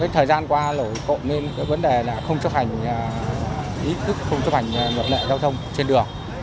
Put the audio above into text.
thời gian qua lỗi cộng nên vấn đề là không chấp hành ý thức không chấp hành luật lệ giao thông trên đường